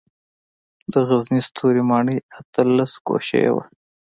د غزني ستوري ماڼۍ اتلس ګوشې وه